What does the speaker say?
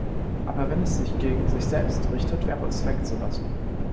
Aber wenn es sich gegen sich selbst richtet, wäre es wegzulassen.